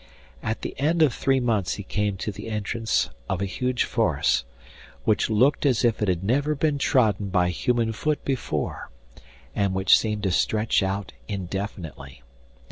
At the end of three months he came to the entrance of a huge forest, which looked as if it had never been trodden by human foot before, and which seemed to stretch out indefinitely.